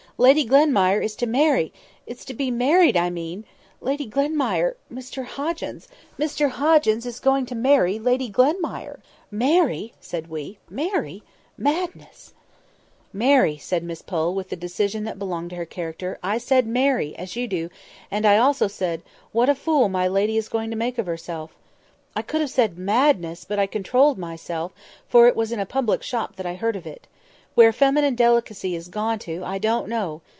Lady Glenmire is to marry—is to be married, I mean—Lady Glenmire—Mr Hoggins—Mr Hoggins is going to marry Lady Glenmire!" "Marry!" said we. "Marry! Madness!" [Picture: What do you think, Miss Matty] "Marry!" said Miss Pole, with the decision that belonged to her character. "I said marry! as you do; and I also said, 'What a fool my lady is going to make of herself!' I could have said 'Madness!' but I controlled myself, for it was in a public shop that I heard of it. Where feminine delicacy is gone to, I don't know!